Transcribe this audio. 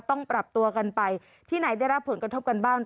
ต้องปรับตัวกันไปที่ไหนได้รับผลกระทบกันบ้าง